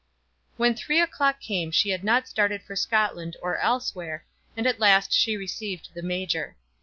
When three o'clock came she had not started for Scotland or elsewhere, and at last she received the major.